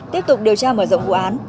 tiếp tục điều tra mở rộng vụ án